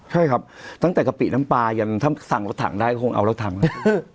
ใช่ครับตั้งแต่กะปิน้ำปลายันถ้าสั่งรถถังได้คงเอารถถังเลย